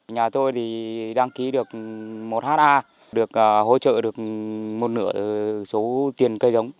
nhà tôi thì đăng ký được một ha được hỗ trợ được một nửa số tiền cây giống